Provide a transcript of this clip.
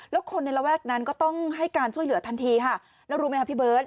แล้วคนในระแวกนั้นก็ต้องให้การช่วยเหลือทันทีค่ะแล้วรู้ไหมคะพี่เบิร์ต